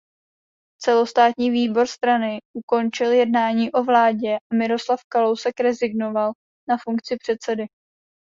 Celostátní výbor strany ukončil jednání o vládě a Miroslav Kalousek rezignoval na funkci předsedy.